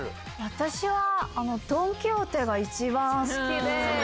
私はドン・キホーテが一番好きで。